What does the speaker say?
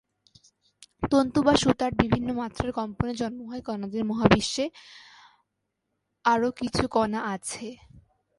তন্তু বা সূতার বিভিন্ন মাত্রার কম্পনে জন্ম হয় কণাদের মহাবিশ্বে আরও কিছু কণা আছে।